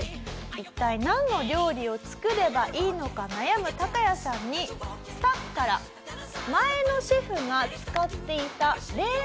一体なんの料理を作ればいいのか悩むタカヤさんにスタッフから前のシェフが使っていた冷蔵庫が渡されました。